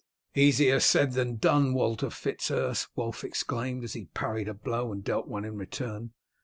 "Easier said than done, Walter Fitz Urse!" Wulf exclaimed, as he parried a blow and dealt one in return.